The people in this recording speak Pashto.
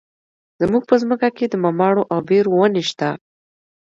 زموږ په ځمکه کې د مماڼو او بیرو ونې شته.